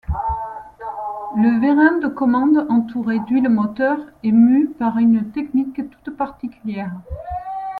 Le vérin de commande, entouré d'huile moteur, est mû par une technique toute particulière.